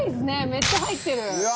めっちゃ入ってる！